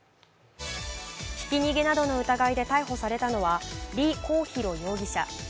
ひき逃げなどの疑いで逮捕されたのは李こう晧容疑者。